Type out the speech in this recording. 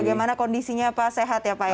bagaimana kondisinya pak sehat ya pak ya